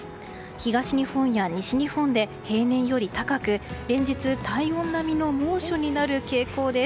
東日本や西日本で平年より高く連日、体温並みの猛暑になる傾向です。